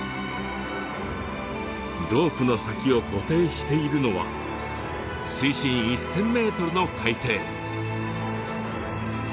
ロープの先を固定しているのは水深１，０００ｍの海底。